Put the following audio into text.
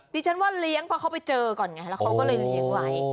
ดิฉันว่าเลี้ยงเพราะเขาไปเจอก่อนไงแล้วเขาก็เลยเลี้ยงไว้